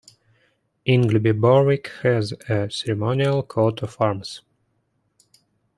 Ingleby Barwick has a ceremonial Coat of Arms.